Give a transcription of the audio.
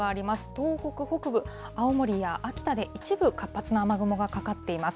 東北北部、青森や秋田で、一部活発な雨雲がかかっています。